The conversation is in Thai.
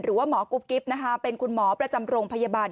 หมอกุ๊บกิ๊บนะคะเป็นคุณหมอประจำโรงพยาบาล